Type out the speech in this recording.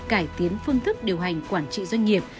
cải tiến phương thức điều hành quản trị doanh nghiệp